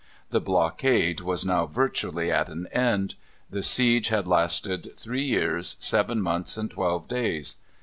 The blockade was now virtually at an end. The siege had lasted three years, seven months, and twelve days.